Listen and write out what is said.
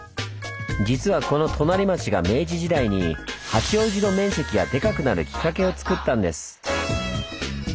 実はこのとなり町が明治時代に八王子の面積がデカくなるきっかけをつくったんです。